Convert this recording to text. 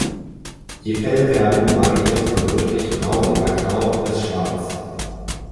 Die Fellfärbung variiert von rötlichbraun über grau bis schwarz.